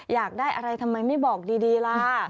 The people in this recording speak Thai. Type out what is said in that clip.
อยากได้อะไรทำไมไม่บอกดีล่ะ